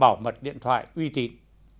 bảo mật điện thoại uy tín